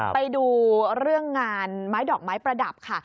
ไปดูเรื่องงานเม้าส์ดอกเม้าส์ประดับค่ะ